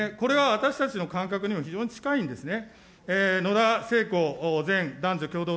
これは私たちの感覚にも、非常に近いんですね。